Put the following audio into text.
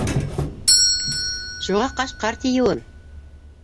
Шуға Кашҡар тиеүем.